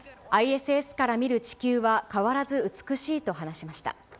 ＩＳＳから見る地球は変わらず美しいと話しました。